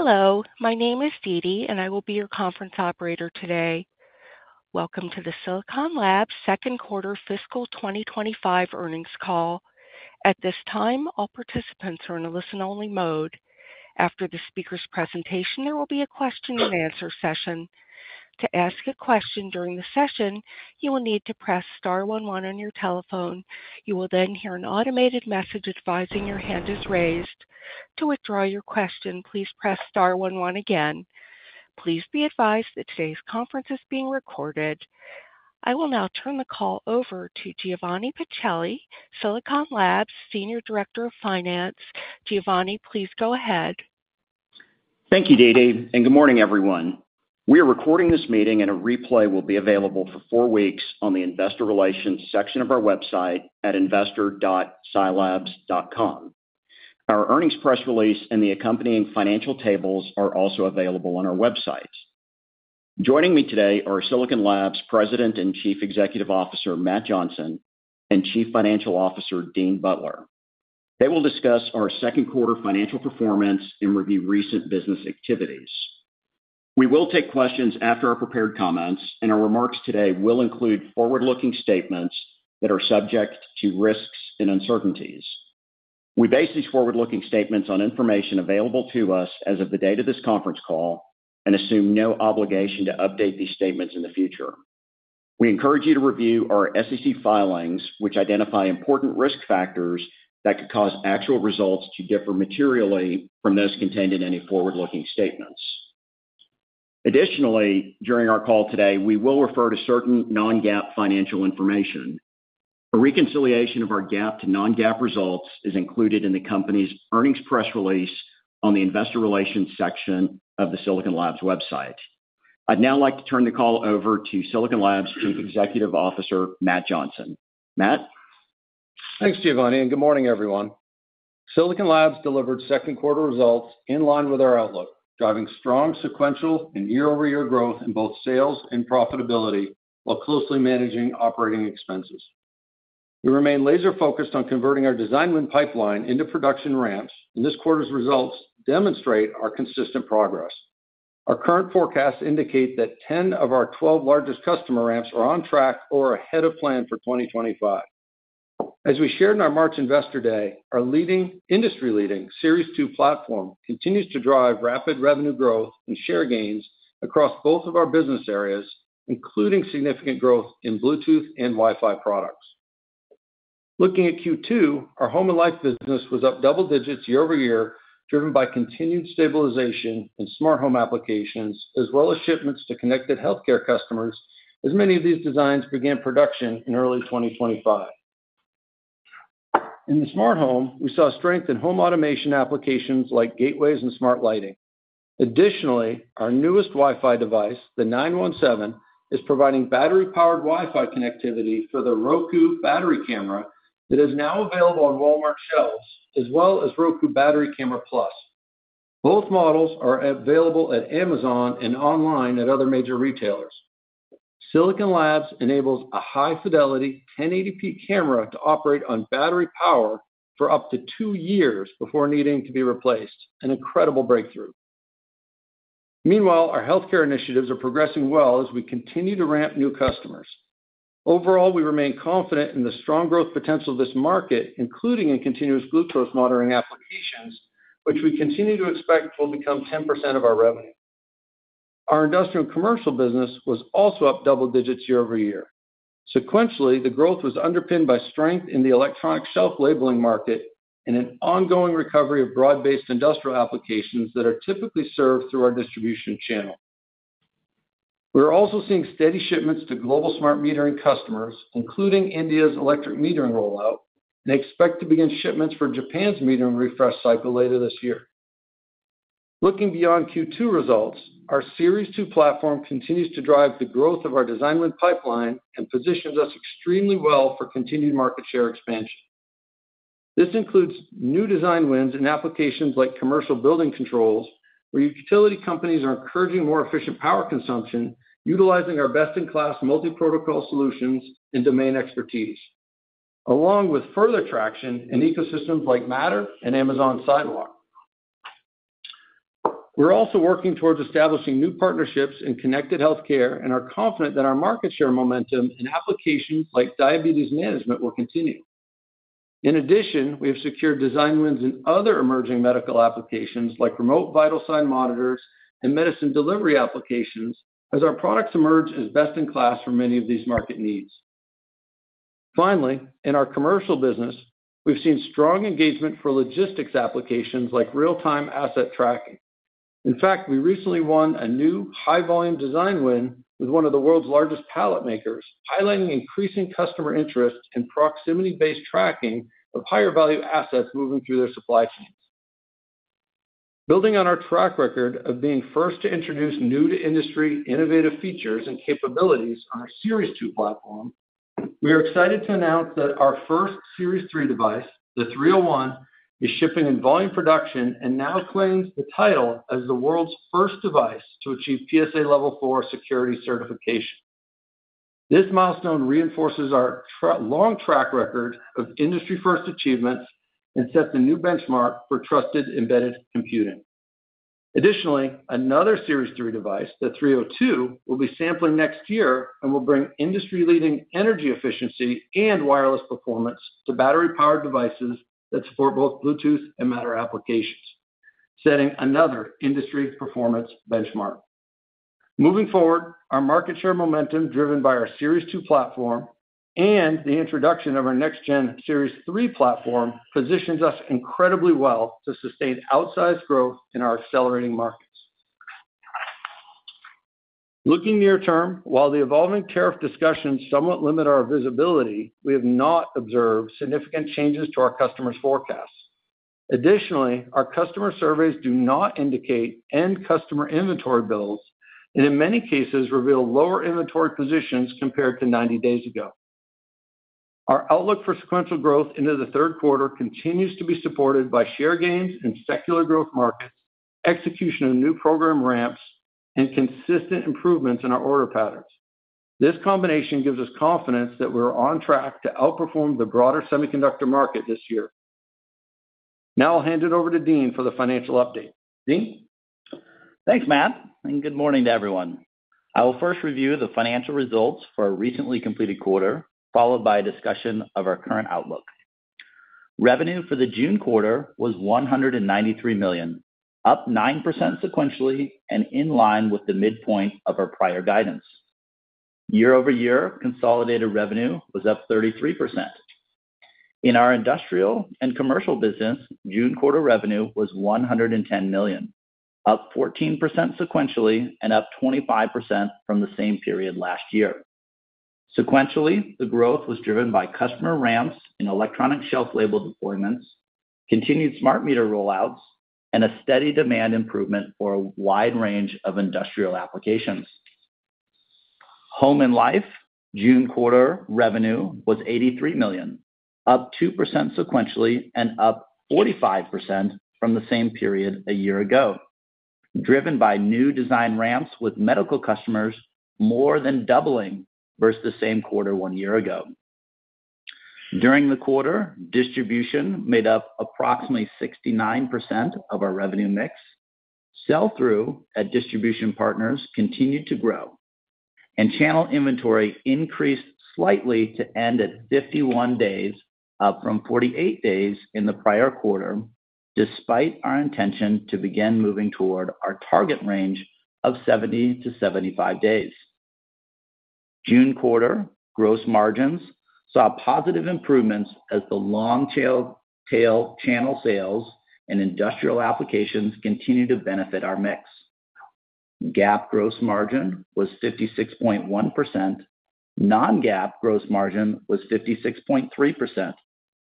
Hello, my name is Deedee, and I will be your conference operator today. Welcome to the Silicon Labs second quarter fiscal 2025 earnings call. At this time, all participants are in a listen-only mode. After the speaker's presentation, there will be a question and answer session. To ask a question during the session, you will need to press *11 on your telephone. You will then hear an automated message advising your hand is raised. To withdraw your question, please press *11 again. Please be advised that today's conference is being recorded. I will now turn the call over to Giovanni Pacelli, Silicon Labs Senior Director of Finance. Giovanni, please go ahead. Thank you, Dee dee, and good morning, everyone. We are recording this meeting, and a replay will be available for four weeks on the Investor Relations section of our website at investor.silabs.com. Our earnings press release and the accompanying financial tables are also available on our website. Joining me today are Silicon Labs' President and Chief Executive Officer, Matt Johnson, and Chief Financial Officer, Dean Butler. They will discuss our second quarter financial performance and review recent business activities. We will take questions after our prepared comments, and our remarks today will include forward-looking statements that are subject to risks and uncertainties. We base these forward-looking statements on information available to us as of the date of this conference call and assume no obligation to update these statements in the future. We encourage you to review our SEC filings, which identify important risk factors that could cause actual results to differ materially from those contained in any forward-looking statements. Additionally, during our call today, we will refer to certain non-GAAP financial information. A reconciliation of our GAAP to non-GAAP results is included in the company's earnings press release on the Investor Relations section of the Silicon Labs website. I'd now like to turn the call over to Silicon Labs' Chief Executive Officer, Matt Johnson. Matt? Thanks, Giovanni, and good morning, everyone. Silicon Laboratories delivered second quarter results in line with our outlook, driving strong sequential and year-over-year growth in both sales and profitability while closely managing operating expenses. We remain laser-focused on converting our design-win pipeline into production ramps, and this quarter's results demonstrate our consistent progress. Our current forecasts indicate that 10 of our 12 largest customer ramps are on track or ahead of plan for 2025. As we shared in our March Investor Day, our industry-leading Series 2 platform continues to drive rapid revenue growth and share gains across both of our business areas, including significant growth in Bluetooth and Wi-Fi products. Looking at Q2, our home and life business was up double digits year over year, driven by continued stabilization in smart home applications, as well as shipments to connected healthcare customers, as many of these designs began production in early 2025. In the smart home, we saw strength in home automation applications like gateways and smart lighting. Additionally, our newest Wi-Fi device, the 917, is providing battery-powered Wi-Fi connectivity for the Roku battery camera that is now available on Walmart shelves, as well as Roku Battery Camera Plus. Both models are available at Amazon and online at other major retailers. Silicon Laboratories enables a high-fidelity 1080p camera to operate on battery power for up to two years before needing to be replaced, an incredible breakthrough. Meanwhile, our healthcare initiatives are progressing well as we continue to ramp new customers. Overall, we remain confident in the strong growth potential of this market, including in continuous glucose monitoring applications, which we continue to expect will become 10% of our revenue. Our industrial and commercial business was also up double digits year over year. Sequentially, the growth was underpinned by strength in the electronic shelf labeling market and an ongoing recovery of broad-based industrial applications that are typically served through our distribution channel. We're also seeing steady shipments to global smart metering customers, including India's electric metering rollout, and expect to begin shipments for Japan's metering refresh cycle later this year. Looking beyond Q2 results, our Series 2 platform continues to drive the growth of our design-win pipeline and positions us extremely well for continued market share expansion. This includes new design wins in applications like commercial building controls, where utility companies are encouraging more efficient power consumption, utilizing our best-in-class multi-protocol solutions and domain expertise, along with further traction in ecosystems like Matter and Amazon Sidewalk. We're also working towards establishing new partnerships in connected healthcare and are confident that our market share momentum in applications like diabetes management will continue. In addition, we have secured design wins in other emerging medical applications like remote vital sign monitors and medicine delivery applications, as our products emerge as best-in-class for many of these market needs. Finally, in our commercial business, we've seen strong engagement for logistics applications like real-time asset tracking. In fact, we recently won a new high-volume design win with one of the world's largest pallet makers, highlighting increasing customer interest in proximity-based tracking of higher-value assets moving through their supply chains. Building on our track record of being first to introduce new-to-industry innovative features and capabilities on our Series 2 platform, we are excited to announce that our first Series 3 device, the 301, is shipping in volume production and now claims the title as the world's first device to achieve PSA Level 4 security certification. This milestone reinforces our long track record of industry-first achievements and sets a new benchmark for trusted embedded computing. Additionally, another Series 3 device, the 302, will be sampling next year and will bring industry-leading energy efficiency and wireless performance to battery-powered devices that support both Bluetooth and Matter applications, setting another industry performance benchmark. Moving forward, our market share momentum, driven by our Series 2 platform and the introduction of our next-gen Series 3 platform, positions us incredibly well to sustain outsized growth in our accelerating market. Looking near-term, while the evolving tariff discussions somewhat limit our visibility, we have not observed significant changes to our customers' forecasts. Additionally, our customer surveys do not indicate end customer inventory builds and, in many cases, reveal lower inventory positions compared to 90 days ago. Our outlook for sequential growth into the third quarter continues to be supported by share gains in secular growth markets, execution of new program ramps, and consistent improvements in our order patterns. This combination gives us confidence that we are on track to outperform the broader semiconductor market this year. Now I'll hand it over to Dean for the financial update. Dean? Thanks, Matt, and good morning to everyone. I will first review the financial results for our recently completed quarter, followed by a discussion of our current outlook. Revenue for the June quarter was $193 million, up 9% sequentially and in line with the midpoint of our prior guidance. Year-over-year consolidated revenue was up 33%. In our industrial and commercial business, June quarter revenue was $110 million, up 14% sequentially and up 25% from the same period last year. Sequentially, the growth was driven by customer ramps and electronic shelf label deployments, continued smart meter rollouts, and a steady demand improvement for a wide range of industrial applications. Home and life, June quarter revenue was $83 million, up 2% sequentially and up 45% from the same period a year ago, driven by new design ramps with medical customers more than doubling versus the same quarter one year ago. During the quarter, distribution made up approximately 69% of our revenue mix. Sell-through at distribution partners continued to grow, and channel inventory increased slightly to end at 51 days, up from 48 days in the prior quarter, despite our intention to begin moving toward our target range of 70 to 75 days. June quarter gross margins saw positive improvements as the long-tail channel sales and industrial applications continued to benefit our mix. GAAP gross margin was 56.1%. Non-GAAP gross margin was 56.3%,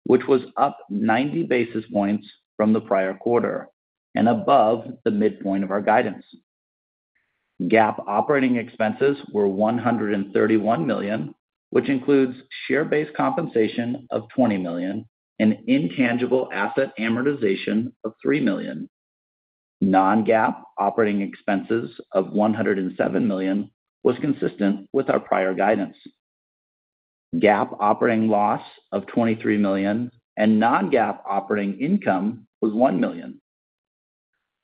which was up 90 basis points from the prior quarter and above the midpoint of our guidance. GAAP operating expenses were $131 million, which includes share-based compensation of $20 million and intangible asset amortization of $3 million. Non-GAAP operating expenses of $107 million were consistent with our prior guidance. GAAP operating loss of $23 million and non-GAAP operating income was $1 million.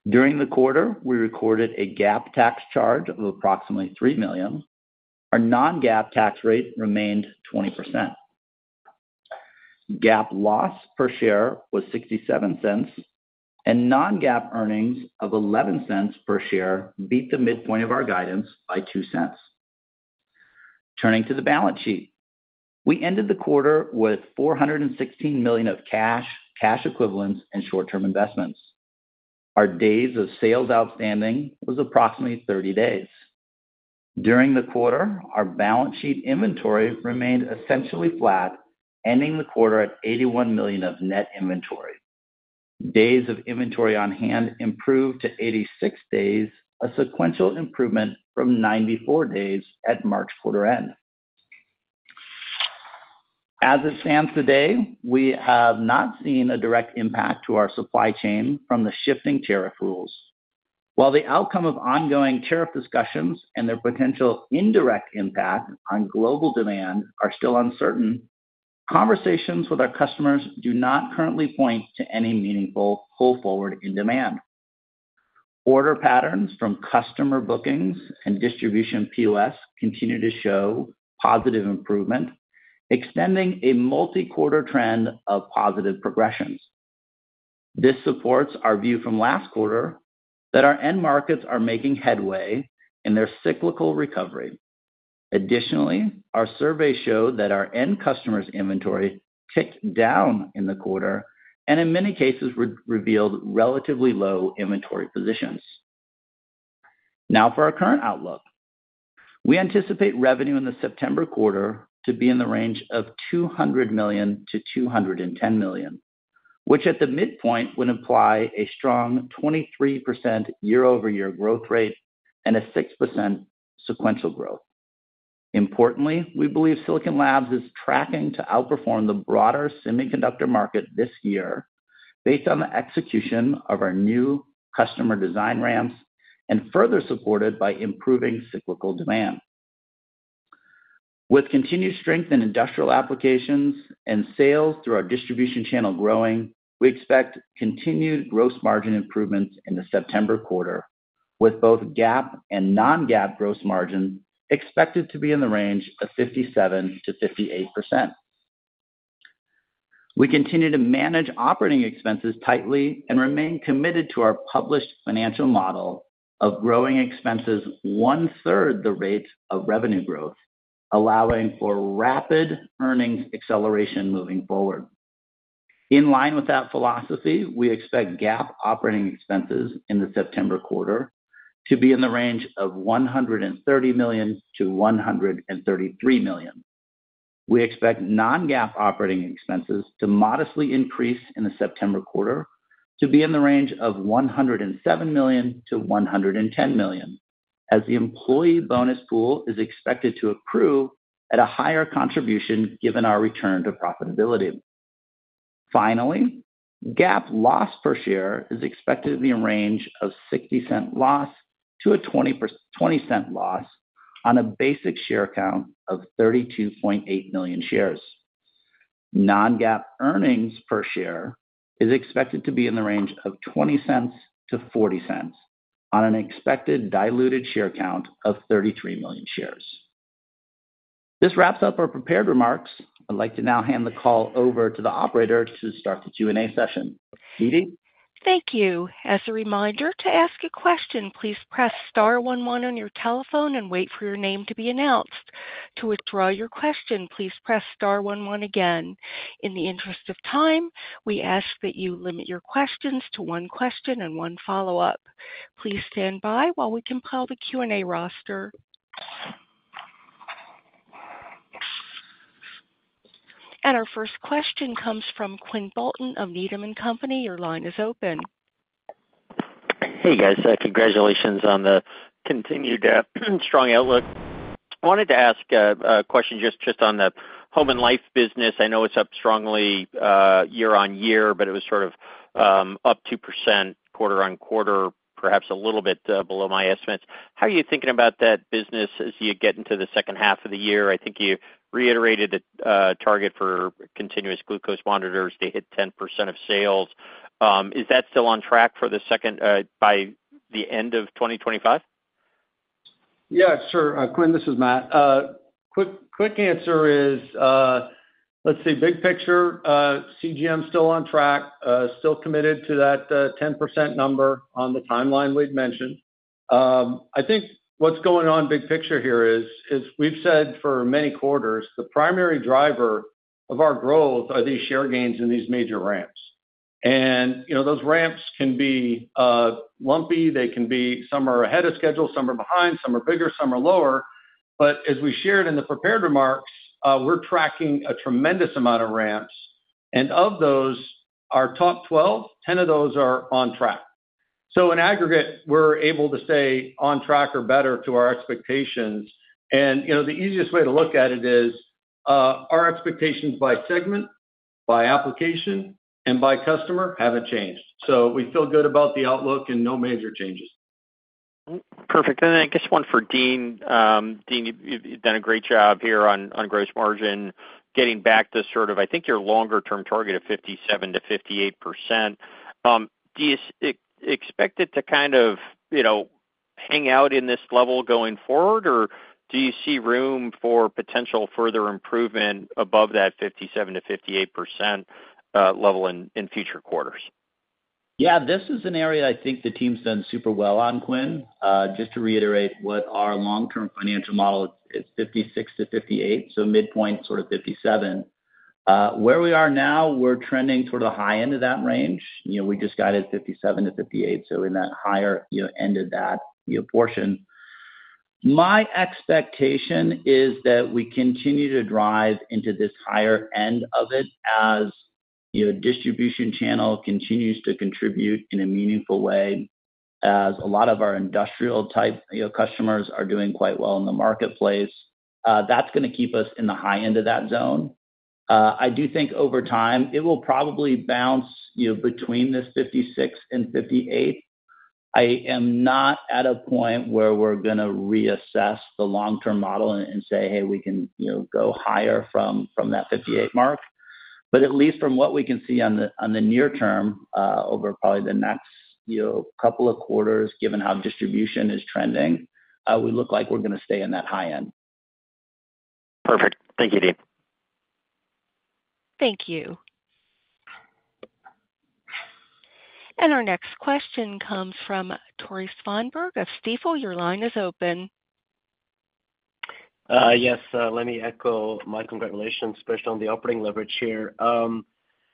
During the quarter, we recorded a GAAP tax charge of approximately $3 million. Our non-GAAP tax rate remained 20%. GAAP loss per share was $0.67, and non-GAAP earnings of $0.11 per share beat the midpoint of our guidance by $0.02. Turning to the balance sheet, we ended the quarter with $416 million of cash, cash equivalents, and short-term investments. Our days of sales outstanding were approximately 30 days. During the quarter, our balance sheet inventory remained essentially flat, ending the quarter at $81 million of net inventory. Days of inventory on hand improved to 86 days, a sequential improvement from 94 days at March quarter end. As it stands today, we have not seen a direct impact to our supply chain from the shifting tariff rules. While the outcome of ongoing tariff discussions and their potential indirect impact on global demand are still uncertain, conversations with our customers do not currently point to any meaningful pull forward in demand. Order patterns from customer bookings and distribution POS continue to show positive improvement, extending a multi-quarter trend of positive progressions. This supports our view from last quarter that our end markets are making headway in their cyclical recovery. Additionally, our survey showed that our end customers' inventory ticked down in the quarter and, in many cases, revealed relatively low inventory positions. Now, for our current outlook, we anticipate revenue in the September quarter to be in the range of $200 million to $210 million, which at the midpoint would imply a strong 23% year-over-year growth rate and a 6% sequential growth. Importantly, we believe Silicon Labs is tracking to outperform the broader semiconductor market this year based on the execution of our new customer design ramps and further supported by improving cyclical demand. With continued strength in industrial applications and sales through our distribution channel growing, we expect continued gross margin improvements in the September quarter, with both GAAP and non-GAAP gross margin expected to be in the range of 57% to 58%. We continue to manage operating expenses tightly and remain committed to our published financial model of growing expenses one-third the rate of revenue growth, allowing for rapid earnings acceleration moving forward. In line with that philosophy, we expect GAAP operating expenses in the September quarter to be in the range of $130 million to $133 million. We expect non-GAAP operating expenses to modestly increase in the September quarter to be in the range of $107 million to $110 million, as the employee bonus pool is expected to accrue at a higher contribution given our return to profitability. Finally, GAAP loss per share is expected to be in the range of $0.60 loss to a $0.20 loss on a basic share count of 32.8 million shares. Non-GAAP earnings per share is expected to be in the range of $0.20 to $0.40 on an expected diluted share count of 33 million shares. This wraps up our prepared remarks. I'd like to now hand the call over to the operator to start the Q&A session. Deedee? Thank you. As a reminder, to ask a question, please press *11 on your telephone and wait for your name to be announced. To withdraw your question, please press *11 again. In the interest of time, we ask that you limit your questions to one question and one follow-up. Please stand by while we compile the Q&A roster. Our first question comes from Quinn Bolton of Needham & Company. Your line is open. Hey, guys. Congratulations on the continued strong outlook. I wanted to ask a question just on the Home and Life business. I know it's up strongly year on year, but it was sort of up 2% quarter on quarter, perhaps a little bit below my estimates. How are you thinking about that business as you get into the second half of the year? I think you reiterated a target for continuous glucose monitoring to hit 10% of sales. Is that still on track for the second by the end of 2025? Yeah, sure. Quinn, this is Matt. Quick answer is, let's see, big picture, CGM is still on track, still committed to that 10% number on the timeline we'd mentioned. I think what's going on big picture here is, we've said for many quarters, the primary driver of our growth are these share gains in these major ramps. Those ramps can be lumpy, they can be some are ahead of schedule, some are behind, some are bigger, some are lower. As we shared in the prepared remarks, we're tracking a tremendous amount of ramps. Of those, our top 12, 10 of those are on track. In aggregate, we're able to stay on track or better to our expectations, and the easiest way to look at it is our expectations by segment, by application, and by customer haven't changed. We feel good about the outlook and no major changes. Perfect. I guess one for Dean. Dean, you've done a great job here on gross margin getting back to sort of, I think, your longer-term target of 57% to 58%. Do you expect it to kind of hang out in this level going forward, or do you see room for potential further improvement above that 57% to 58% level in future quarters? Yeah, this is an area I think the team's done super well on, Quinn. Just to reiterate what our long-term financial model is, it's 56% to 58%, so midpoint sort of 57%. Where we are now, we're trending toward the high end of that range. We just got at 57% to 58%, so in that higher end of that portion. My expectation is that we continue to drive into this higher end of it as distribution channel continues to contribute in a meaningful way, as a lot of our industrial-type customers are doing quite well in the marketplace. That's going to keep us in the high end of that zone. I do think over time it will probably bounce between this 56% and 58%. I am not at a point where we're going to reassess the long-term model and say, hey, we can go higher from that 58% mark. At least from what we can see on the near term, over probably the next couple of quarters, given how distribution is trending, we look like we're going to stay in that high end. Perfect. Thank you, Dean. Thank you. Our next question comes from Tore Svanberg of Stifel. Your line is open. Yes, let me echo my congratulations, especially on the operating leverage here.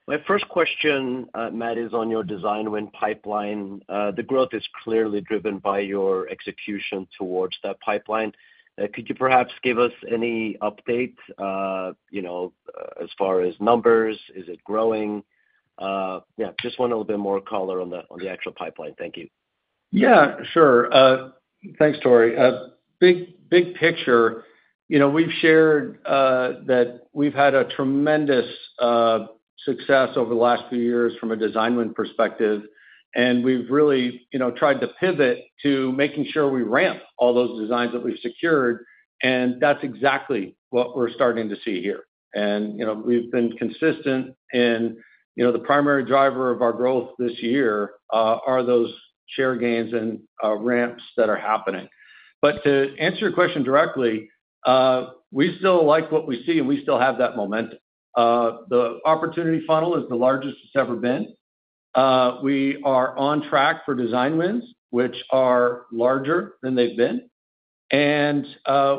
My first question, Matt, is on your design-win pipeline. The growth is clearly driven by your execution towards that pipeline. Could you perhaps give us any update as far as numbers? Is it growing? Yeah, just want a little bit more color on the actual pipeline. Thank you. Yeah, sure. Thanks, Tore. Big picture, you know we've shared that we've had tremendous success over the last few years from a design-win perspective, and we've really tried to pivot to making sure we ramp all those designs that we've secured. That's exactly what we're starting to see here, and we've been consistent in the primary driver of our growth this year are those share gains and ramps that are happening. To answer your question directly, we still like what we see, and we still have that momentum. The opportunity funnel is the largest it's ever been. We are on track for design wins, which are larger than they've been, and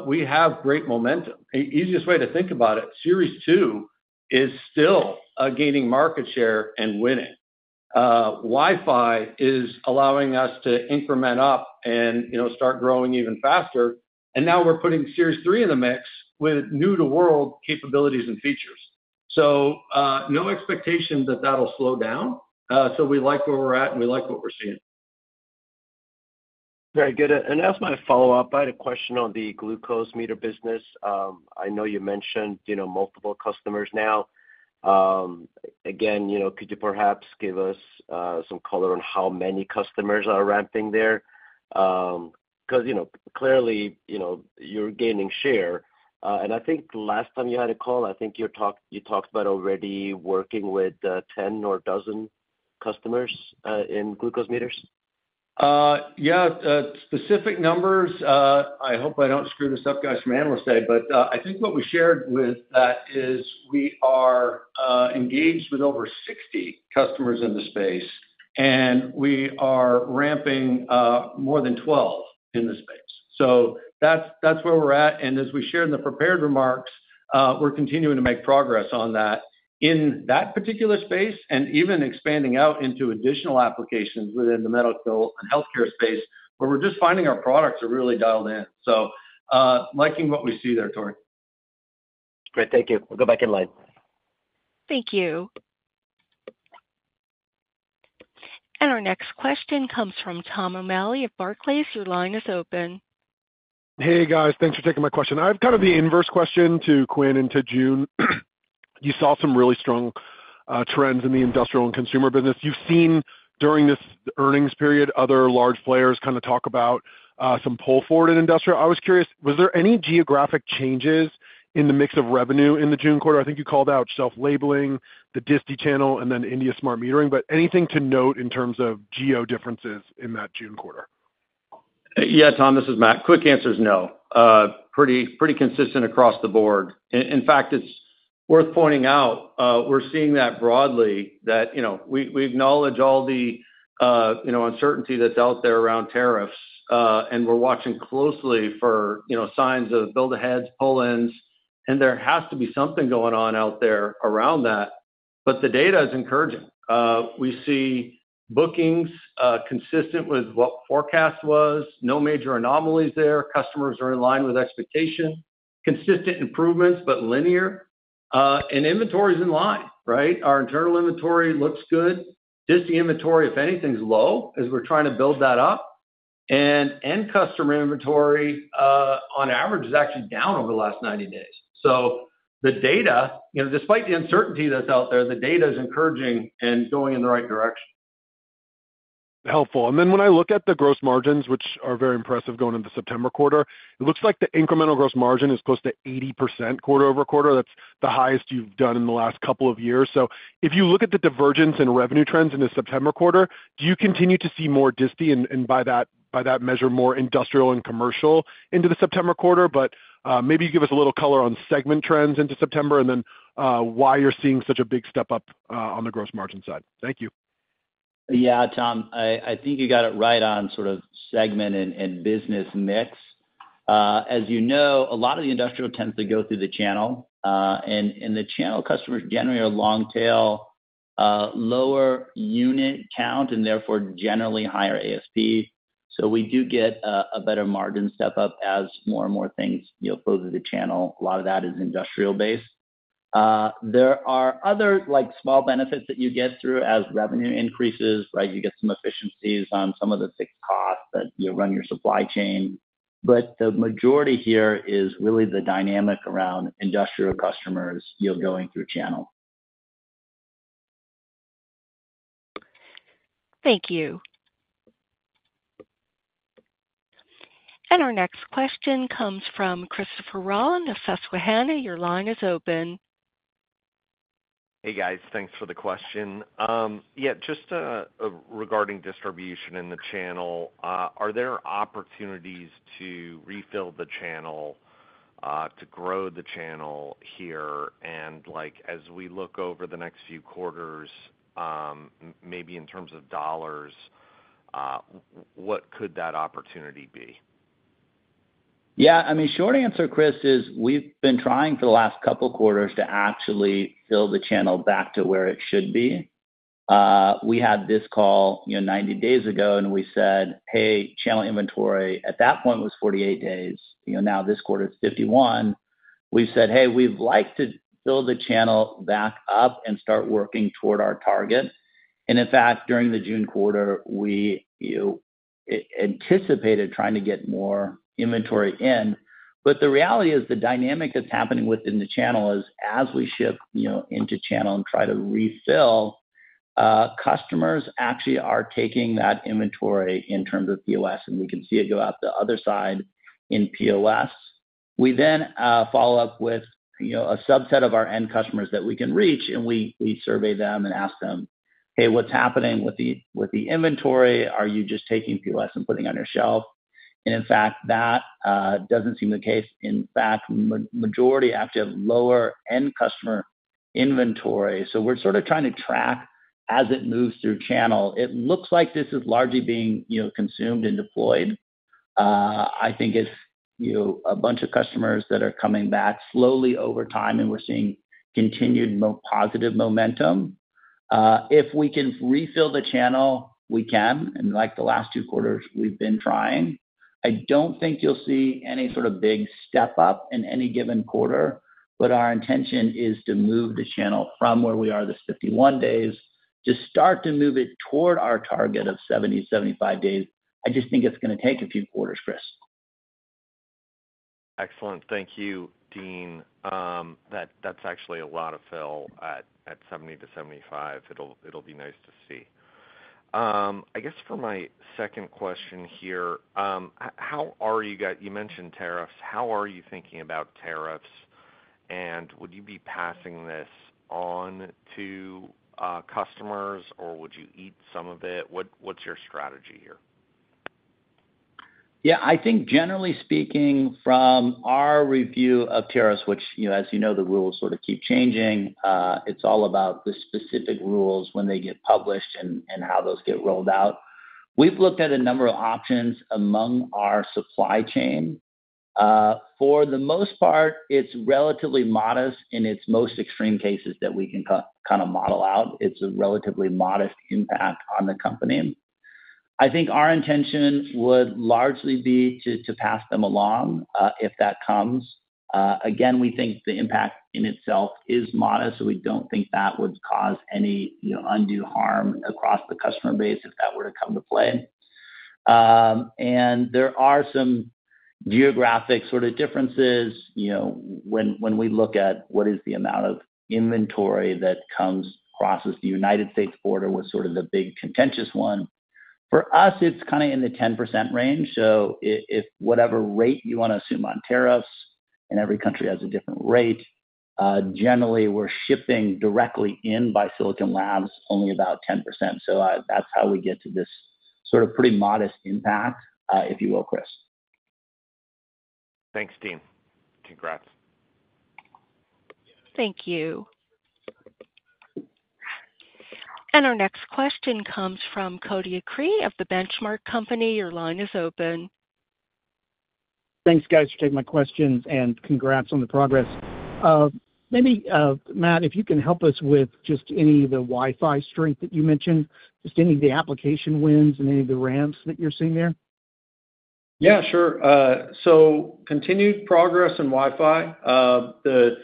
we have great momentum. The easiest way to think about it, Series 2 is still gaining market share and winning. Wi-Fi is allowing us to increment up and start growing even faster. Now we're putting Series 3 in the mix with new-to-world capabilities and features, so no expectation that that'll slow down, so we like where we're at, and we like what we're seeing. Very good. As my follow-up, I had a question on the glucose meter business. I know you mentioned multiple customers now. Could you perhaps give us some color on how many customers are ramping there? Cause you know, clearly, you know, you're gaining share. I think last time you had a call, you talked about already working with 10 or a dozen customers in glucose meters. Yeah, specific numbers, I hope I don't screw this up, guys, from analysts' day, but I think what we shared with that is we are engaged with over 60 customers in the space, and we are ramping more than 12 in the space, so that's where we're at, and as we shared in the prepared remarks, we're continuing to make progress on that in that particular space and even expanding out into additional applications within the medical and healthcare space where we're just finding our products are really dialed in, so liking what we see there, Tore. Great, thank you. We'll go back in line. Thank you. Our next question comes from Thomas O'Malley of Barclays. Your line is open. Hey, guys, thanks for taking my question. I have kind of the inverse question to Quinn and to June. You saw some really strong trends in the industrial and consumer business. You've seen during this earnings period other large players kind of talk about some pull forward in industrial. I was curious, was there any geographic changes in the mix of revenue in the June quarter? I think you called out electronic shelf labeling, the DISTI channel, and then India smart metering. Anything to note in terms of geo differences in that June quarter? Yeah, Tom, this is Matt. Quick answer is no. Pretty consistent across the board. In fact, it's worth pointing out we're seeing that broadly, that we acknowledge all the uncertainty that's out there around tariffs, and we're watching closely for signs of build-aheads, pull-ins, and there has to be something going on out there around that, but the data is encouraging. We see bookings consistent with what forecast was, no major anomalies there. Customers are in line with expectation, consistent improvements, but linear and inventory is in line, right? Our internal inventory looks good. DISTI inventory, if anything, is low as we're trying to build that up. End customer inventory, on average, is actually down over the last 90 days. The data, despite the uncertainty that's out there, is encouraging and going in the right direction. Helpful. When I look at the gross margins, which are very impressive going into the September quarter, it looks like the incremental gross margin is close to 80% quarter over quarter. That's the highest you've done in the last couple of years. If you look at the divergence in revenue trends in the September quarter, do you continue to see more DISTI, and by that measure, more industrial and commercial into the September quarter? Maybe you give us a little color on segment trends into September and why you're seeing such a big step up on the gross margin side. Thank you. Yeah, Tom, I think you got it right on sort of segment and business mix. As you know, a lot of the industrial tends to go through the channel, and the channel customers generate a long-tail, lower unit count, and therefore generally higher ASP, so we do get a better margin step up as more and more things go through the channel. A lot of that is industrial-based. There are other small benefits that you get through as revenue increases, right? You get some efficiencies on some of the ticket costs that run your supply chain, but the majority here is really the dynamic around industrial customers going through channel. Thank you. Our next question comes from Christopher Rolland of Susquehanna. Your line is open. Hey, guys, thanks for the question. Just regarding distribution in the channel, are there opportunities to refill the channel, to grow the channel here? As we look over the next few quarters, maybe in terms of dollars, what could that opportunity be? Yeah, I mean, short answer, Chris, is we've been trying for the last couple of quarters to actually fill the channel back to where it should be. We had this call 90 days ago, and we said, hey, channel inventory at that point was 48 days, now this quarter it's 51. We said, hey, we'd like to fill the channel back up and start working toward our target. In fact, during the June quarter, we anticipated trying to get more inventory in. The reality is the dynamic that's happening within the channel is as we ship into channel and try to refill, customers actually are taking that inventory in terms of POS, and we can see it go out the other side in POS. We then follow up with a subset of our end customers that we can reach, and we survey them and ask them, hey, what's happening with the inventory? Are you just taking POS and putting it on your shelf? In fact, that doesn't seem the case. In fact, the majority actually have lower end customer inventory. We're sort of trying to track as it moves through channel. It looks like this is largely being consumed and deployed. I think it's a bunch of customers that are coming back slowly over time, and we're seeing continued positive momentum. If we can refill the channel, we can, and like the last two quarters, we've been trying. I don't think you'll see any sort of big step up in any given quarter, but our intention is to move the channel from where we are this 51 days to start to move it toward our target of 70-75 days. I just think it's going to take a few quarters, Chris. Excellent. Thank you, Dean. That's actually a lot of fill at 70% to 75%, it'll be nice to see. I guess for my second question here, how are you guys? You mentioned tariffs, how are you thinking about tariffs? Would you be passing this on to customers, or would you eat some of it? What's your strategy here? Yeah, I think generally speaking, from our review of tariffs, which, as you know, the rules sort of keep changing, it's all about the specific rules when they get published and how those get rolled out. We've looked at a number of options among our supply chain. For the most part, it's relatively modest in its most extreme cases that we can kind of model out. It's a relatively modest impact on the company. I think our intention would largely be to pass them along if that comes. Again, we think the impact in itself is modest, so we don't think that would cause any undue harm across the customer base if that were to come to play. There are some geographic sort of differences when we look at what is the amount of inventory that comes across the U.S. border, which was sort of the big contentious one. For us, it's kind of in the 10% range. If whatever rate you want to assume on tariffs, and every country has a different rate, generally, we're shipping directly in by Silicon Labs only about 10%, so that's how we get to this sort of pretty modest impact, if you will, Chris. Thanks, Dean. Congrats. Thank you. Our next question comes from Cody Acree of The Benchmark Company. Your line is open. Thanks, guys, for taking my questions, and congrats on the progress. Maybe, Matt, if you can help us with just any of the Wi-Fi strength that you mentioned, just any of the application wins and any of the ramps that you're seeing there. Yeah, sure. Continued progress in Wi-Fi. The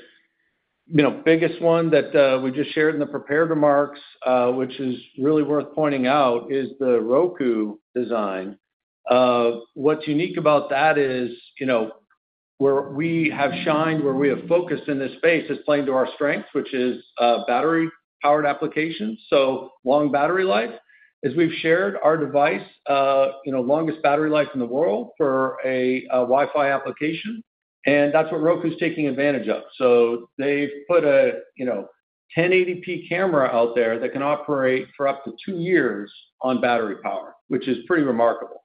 biggest one that we just shared in the prepared remarks, which is really worth pointing out, is the Roku design. What's unique about that is where we have shined, where we have focused in this space, it's playing to our strengths, which is battery-powered applications, so long battery life. As we've shared, our device, you know, longest battery life in the world for a Wi-Fi application. That's what Roku's taking advantage of. They've put a 1080p camera out there that can operate for up to two years on battery power, which is pretty remarkable.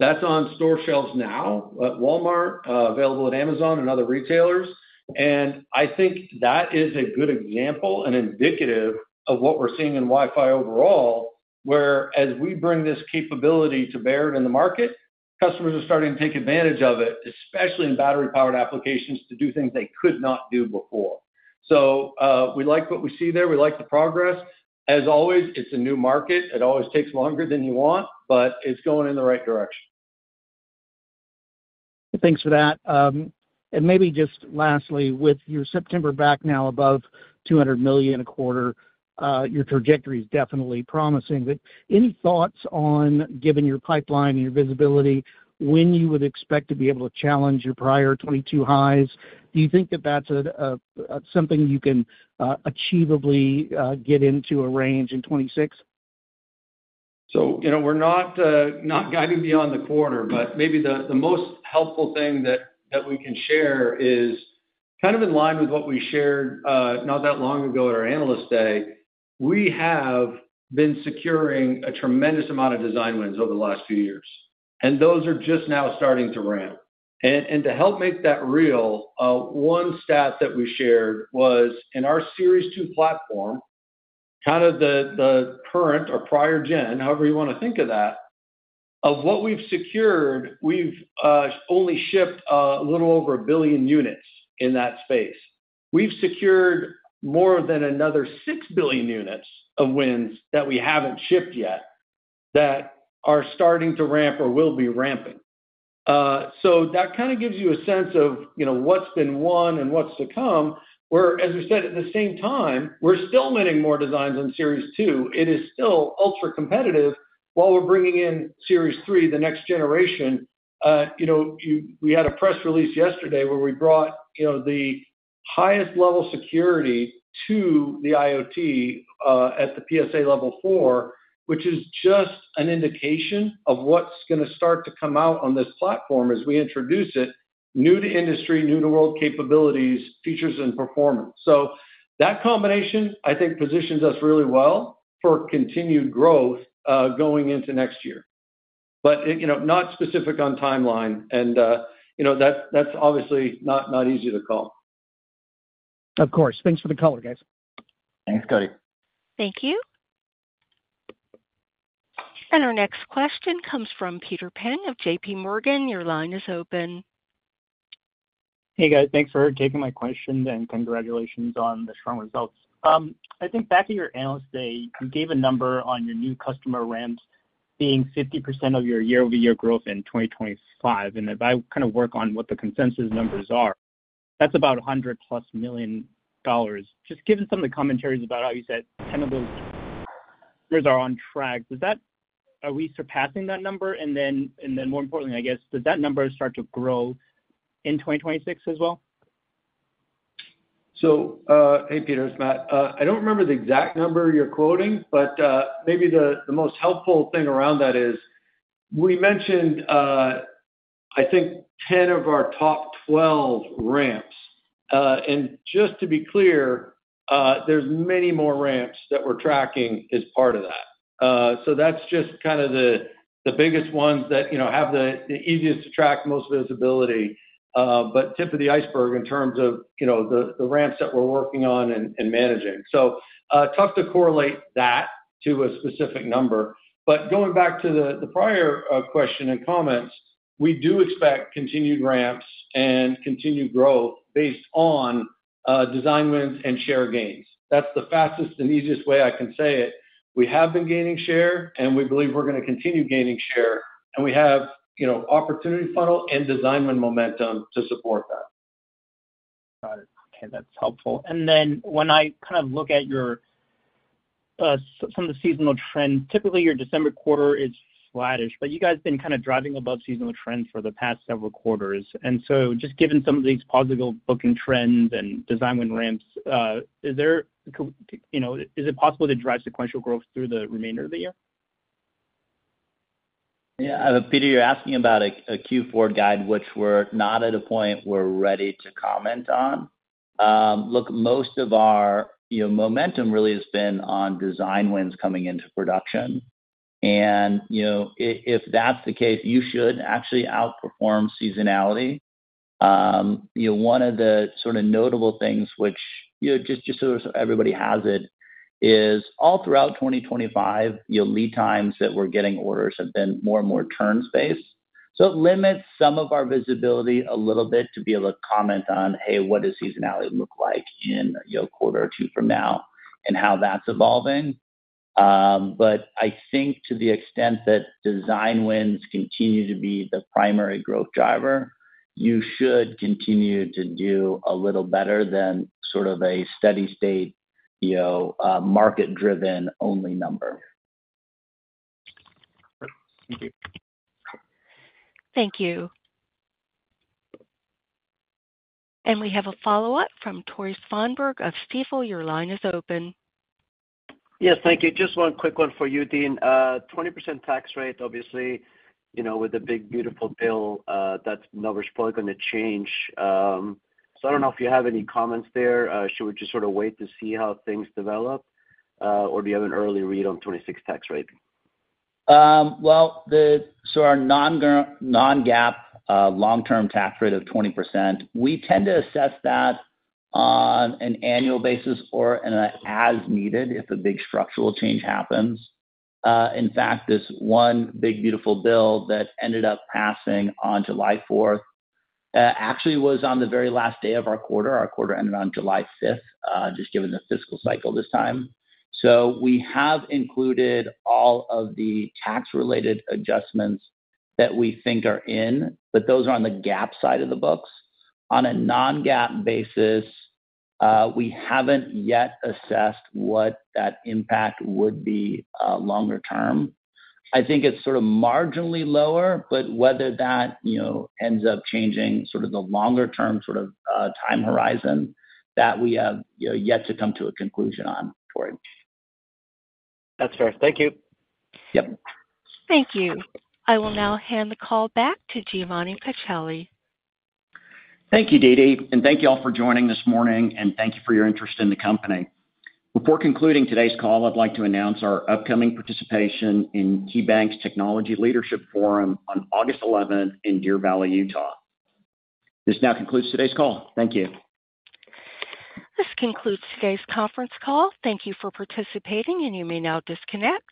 That's on store shelves now at Walmart, available at Amazon and other retailers. I think that is a good example and indicative of what we're seeing in Wi-Fi overall, where as we bring this capability to bear in the market, customers are starting to take advantage of it, especially in battery-powered applications to do things they could not do before, so we like what we see there, we like the progress, as always, It is a new market, it always takes longer than you want, but it's going in the right direction. Thanks for that. Maybe just lastly, with your September back now above $200 million a quarter, your trajectory is definitely promising. Any thoughts on, given your pipeline and your visibility, when you would expect to be able to challenge your prior 2022 highs? Do you think that that's something you can achievably get into a range in 2026? We're not diving beyond the quarter, but maybe the most helpful thing that we can share is kind of in line with what we shared not that long ago at our analysts' day. We have been securing a tremendous amount of design wins over the last few years, and those are just now starting to ramp. To help make that real, one stat that we shared was in our Series 2 platform, kind of the current or prior gen, however you want to think of that, of what we've secured, we've only shipped a little over a billion units in that space. We've secured more than another 6 billion units of wins that we haven't shipped yet that are starting to ramp or will be ramping. That kind of gives you a sense of what's been won and what's to come, where, as we said, at the same time, we're still winning more designs on Series 2. It is still ultra-competitive while we're bringing in Series 3, the next generation. We had a press release yesterday where we brought the highest level security to the IoT at the PSA Level 4, which is just an indication of what's going to start to come out on this platform as we introduce it, new to industry, new to world capabilities, features, and performance. That combination, I think, positions us really well for continued growth going into next year, but not specific on timeline, and that's obviously not easy to call. Of course. Thanks for the color, guys. Thanks, Cody. Thank you. Our next question comes from Peter Peng of JP Morgan. Your line is open. Hey, guys, thanks for taking my question and congratulations on the strong results. I think back at your analysts' day, you gave a number on your new customer ramps being 50% of your year-over-year growth in 2025. If I kind of work on what the consensus numbers are, that's about $100+ million. Just given some of the commentaries about how you said 10 of those customers are on track, does that mean we are surpassing that number? More importantly, I guess, does that number start to grow in 2026 as well? Hey, Peter, it's Matt. I don't remember the exact number you're quoting, but maybe the most helpful thing around that is we mentioned, I think, 10 of our top 12 ramps. Just to be clear, there's many more ramps that we're tracking as part of that. That's just kind of the biggest ones that have the easiest to track, most visibility, but tip of the iceberg in terms of the ramps that we're working on and managing, so tough to correlate that to a specific number, but going back to the prior question and comments, we do expect continued ramps and continued growth based on design wins and share gains. That's the fastest and easiest way I can say it. We have been gaining share, and we believe we're going to continue gaining share, and we have opportunity funnel and design win momentum to support that. Got it. Okay, that's helpful. When I kind of look at some of the seasonal trends, typically your December quarter is flattish, but you guys have been kind of driving above seasonal trends for the past several quarters, and so, just given some of these positive looking trends and design win ramps, is it possible to drive sequential growth through the remainder of the year? Yeah, Peter, you're asking about a Q4 guide, which we're not at a point we're ready to comment on. Look most of our momentum really has been on design wins coming into production, and if that's the case, you should actually outperform seasonality. One of the sort of notable things, which just so everybody has it, is all throughout 2025, your lead times that we're getting orders have been more and more turn-based. It limits some of our visibility a little bit to be able to comment on, hey, what does seasonality look like in a quarter or two from now and how that's evolving? I think to the extent that design wins continue to be the primary growth driver, you should continue to do a little better than sort of a steady-state, market-driven only number. Thank you. We have a follow-up from Tore Svanberg of Stifel. Your line is open. Yes, thank you. Just one quick one for you, Dean. 20% tax rate, obviously, you know, with a big, beautiful bill, that's not probably going to change. I don't know if you have any comments there. Should we just sort of wait to see how things develop, or do you have an early read on 2026 tax rate? Our non-GAAP long-term tax rate of 20% is assessed on an annual basis or as needed if a big structural change happens. In fact, this one big, beautiful bill that ended up passing on July 4th actually was on the very last day of our quarter. Our quarter ended on July 5th, just given the fiscal cycle this time, so we have included all of the tax-related adjustments that we think are in, but those are on the GAAP side of the books. On a non-GAAP basis, we haven't yet assessed what that impact would be longer term. I think it's sort of marginally lower, but whether that ends up changing the longer-term time horizon, we have yet to come to a conclusion on for it. That's fair. Thank you. Yep. Thank you. I will now hand the call back to Giovanni Pacelli. Thank you, Dee dee, and thank you all for joining this morning, and thank you for your interest in the company. Before concluding today's call, I'd like to announce our upcoming participation in KeyBank's Technology Leadership Forum on August 11 in Deer Valley, Utah. This now concludes today's call. Thank you. This concludes today's conference call. Thank you for participating, and you may now disconnect.